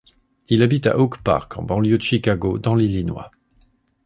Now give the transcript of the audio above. Il habite à Oak Park en banlieue de Chicago dans l'Illinois.